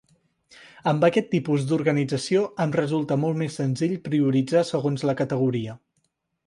Amb aquest tipus 'organització, em resulta molt més senzill prioritzar segons la categoria.